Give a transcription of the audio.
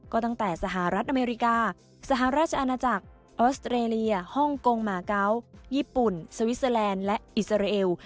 ก็ตั้งแต่สหรัฐอเมริกาสหราชอาณาจักรออสเตรเลียฮ่องกงหมาเกาะญี่ปุ่นสวิสเตอร์แลนด์และอิสราเอล